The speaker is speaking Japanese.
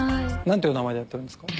なんていうお名前でやってるんですか？